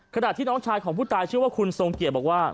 ขณะที่น้องชายของผู้ตายชื่อว่าคุณทรงเกียจบอกว่า